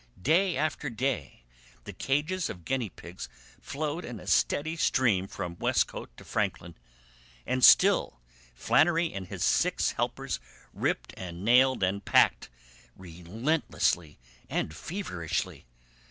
Day after day the cages of guineapigs flowed in a steady stream from Westcote to Franklin, and still Flannery and his six helpers ripped and nailed and packed relentlessly and feverishly.